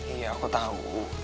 iya aku tahu